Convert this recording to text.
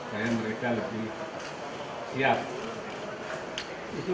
saya merasa lebih siap